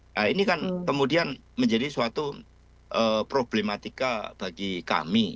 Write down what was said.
nah ini kan kemudian menjadi suatu problematika bagi kami